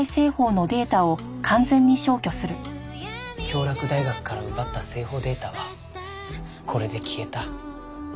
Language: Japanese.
京洛大学から奪った製法データはこれで消えた。